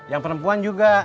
yang perempuan juga